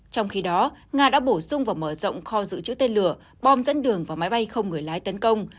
trong khi đó nga đã bổ sung và mở rộng kho dự trữ tên lửa bom dẫn đường và máy bay không người lái tấn công